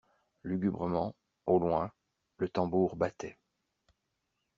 Lugubrement, au loin, le tambour battait.